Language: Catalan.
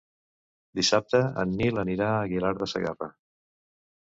Dissabte en Nil anirà a Aguilar de Segarra.